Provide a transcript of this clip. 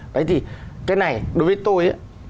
đấy thì cái này đối với tôi